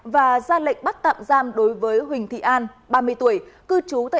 và ra lệnh bắt tạm giam đối với huỳnh thị an ba mươi tuổi